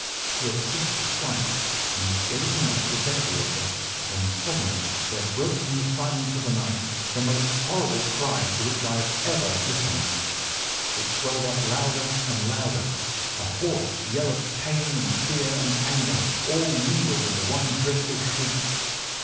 He had ceased to strike and was gazing up at the ventilator when suddenly there broke from the silence of the night the most horrible cry to which I have ever listened. It swelled up louder and louder, a hoarse yell of pain and fear and anger all mingled in the one dreadful shriek.